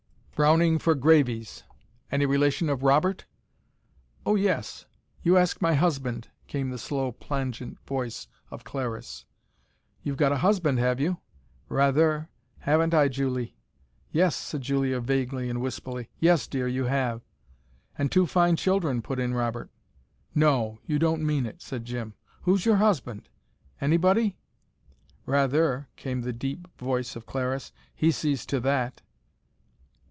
"Browning for gravies. Any relation of Robert?" "Oh, yes! You ask my husband," came the slow, plangent voice of Clariss. "You've got a husband, have you?" "Rather! Haven't I, Juley?" "Yes," said Julia, vaguely and wispily. "Yes, dear, you have." "And two fine children," put in Robert. "No! You don't mean it!" said Jim. "Who's your husband? Anybody?" "Rather!" came the deep voice of Clariss. "He sees to that."